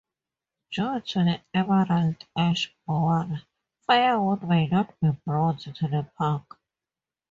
Due to the emerald ash borer firewood may not be brought to the park.